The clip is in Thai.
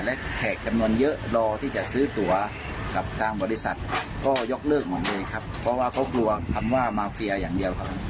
และแขกจำนวนเยอะรอที่จะซื้อตัวกับทางบริษัทก็ยกเลิกหมดเลยครับเพราะว่าเขากลัวคำว่ามาเฟียอย่างเดียวครับ